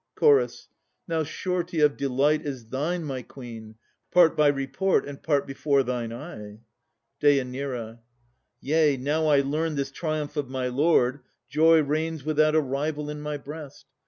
CH. Now surety of delight is thine, my Queen, Part by report and part before thine eye. DÊ. Yea, now I learn this triumph of my lord, Joy reigns without a rival in my breast.